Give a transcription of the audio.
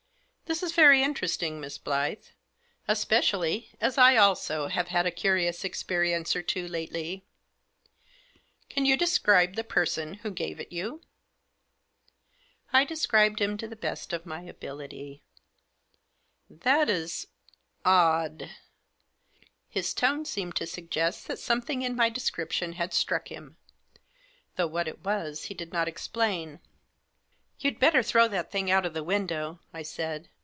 " This is very interesting, Miss Blyth. Especially as I also have had a curious experience or two lately. Can you describe the person who gave it you ?" I described him, to the best of my ability. Digitized by THE MISSIONARY'S LETTER. 41 "That is— odd." His tone seemed to suggest that something in my description had struck him ; though what it was he did not explain. " You'd better throw that thing out of the window," I said.